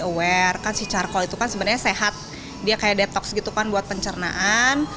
aware si carkol itu kan sebenernya sehat dia kayak detox gitu kan buat pencernaan